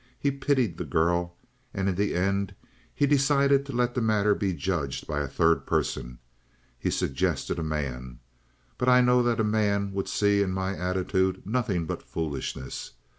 He pitied the girl. And in the end he decided to let the matter be judged by a third person. He suggested a man. But I know that a man would see in my attitude nothing but foolishness.